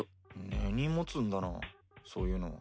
根に持つんだなそういうの。